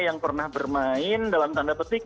yang pernah bermain dalam tanda petik